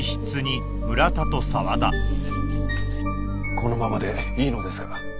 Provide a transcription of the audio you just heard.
このままでいいのですか？